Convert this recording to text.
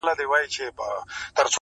لا د ځان سره مي وړي دي دامونه٫